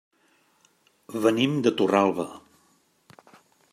Venim de Torralba.